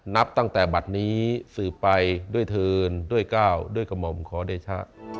นับตั้งแต่บัตรนี้สืบไปด้วยเทินด้วยก้าวด้วยกระหม่อมขอเดชะ